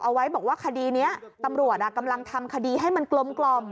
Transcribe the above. เอาไว้บอกว่าคดีนี้ตำรวจกำลังทำคดีให้มันกลม